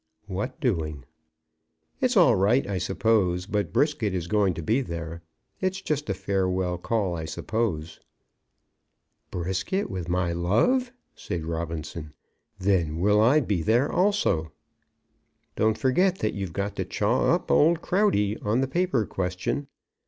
"What doing?" "It's all right, I suppose; but Brisket is going to be there. It's just a farewell call, I suppose." "Brisket with my love!" said Robinson. "Then will I be there also." "Don't forget that you've got to chaw up old Crowdy on the paper question.